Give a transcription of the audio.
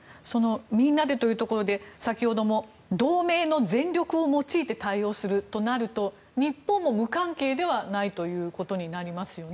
みんなでというところで先ほども同盟の全力を用いて対応するとなると日本も無関係ではないということになりますよね。